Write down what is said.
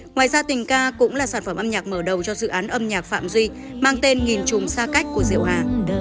ngoài ra tình ca cũng là sản phẩm âm nhạc mở đầu cho dự án âm nhạc phạm duy mang tên nghìn trùng xa cách của diệu hà